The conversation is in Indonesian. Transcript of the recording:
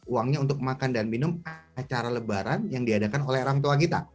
uangnya untuk makan dan minum acara lebaran yang diadakan oleh orang tua kita